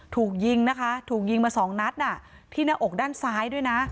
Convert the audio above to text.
ถูกยิงนะคะถูกยิงมาสองนัดที่หน้าอกด้านซ้ายด้วยนะ